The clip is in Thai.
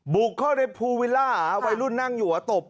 บุกเข้าในภูวิลล่าวัยรุ่นนั่งอยู่ตบ